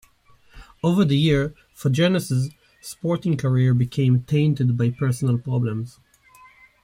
Over the years Fagernes' sporting career became tainted by personal problems.